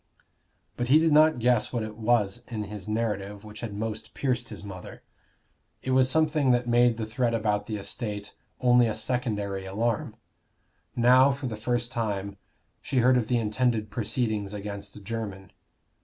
But he did not guess what it was in his narrative which had most pierced his mother. It was something that made the threat about the estate only a secondary alarm. Now, for the first time, she heard of the intended proceedings against Jermyn.